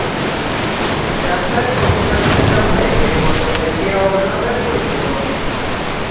ব্যবসায়িক অংশীদারত্বের কারণে এটি বর্তমানে কিয়া ওভাল নামে পরিচিত।